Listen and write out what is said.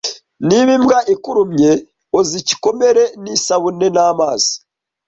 Niba imbwa ikurumye, oza igikomere n'isabune n'amazi.